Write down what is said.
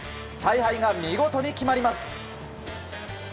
采配が見事に決まります。